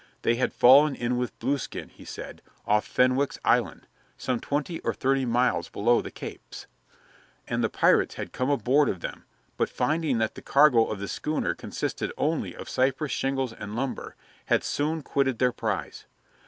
They had fallen in with Blueskin, he said, off Fenwick's Island (some twenty or thirty miles below the capes), and the pirates had come aboard of them; but, finding that the cargo of the schooner consisted only of cypress shingles and lumber, had soon quitted their prize.